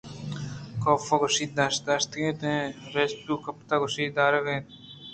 کاف ءَ گوش داشتگ اِت اَنتءُریسیور ءِگپاں گوش دارگ ءَ اَت